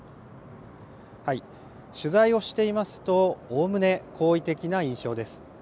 取材をしていますと、おおむね好意的な印象です。